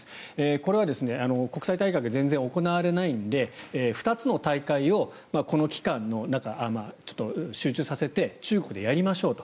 これは国際大会が全然行われないので２つの大会をこの期間に集中させて中国でやりましょうと。